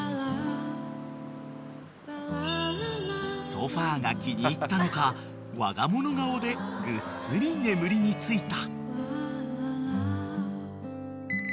［ソファが気に入ったのかわが物顔でぐっすり眠りについた］